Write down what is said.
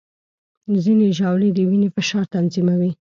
ځینې ژاولې د وینې فشار تنظیموي.